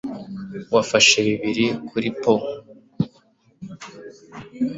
wafashe bibiri kuri poo